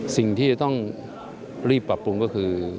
สิ่งที่จะต้องรีบปรับปรุงก็คือ